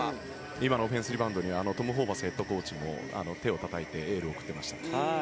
今のオフェンスリバウンドにはトム・ホーバスヘッドコーチも手をたたいてエールを送っていました。